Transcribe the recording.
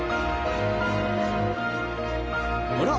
あら？